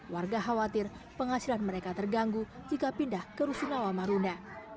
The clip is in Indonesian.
warga khawatir penghasilan mereka terganggu jika pindah ke rusunawa marunda